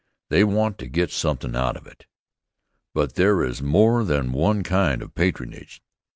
They want to get somethin' out of it. But there is more than one kind of patronage.